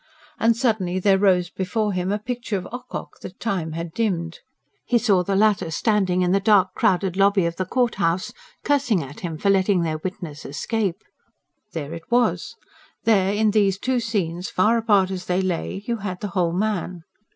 And suddenly there rose before him a picture of Ocock that time had dimmed. He saw the latter standing in the dark, crowded lobby of the court house, cursing at him for letting their witness escape. There it was! There, in these two scenes, far apart as they lay, you had the whole man.